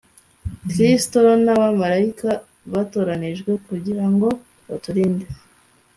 kristo n’abamarayika batoranijwe kugira ngo baturinde